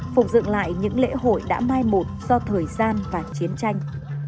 phục dựng lại những lễ hội đã mai một do thời gian và chiến tranh